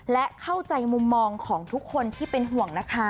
และเข้าใจมุมมองของทุกคนที่เป็นห่วงนะคะ